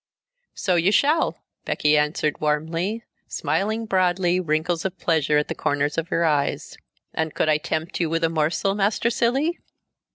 "So you shall!" Becky answered warmly, smiling broadly, wrinkles of pleasure at the corners of her eyes. "And could I tempt you with a morsel, Master Cilley?"